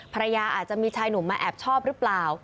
อาจจะมีชายหนุ่มมาแอบชอบหรือเปล่า